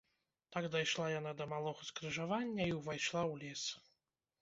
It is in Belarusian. Так дайшла яна да малога скрыжавання і ўвайшла ў лес.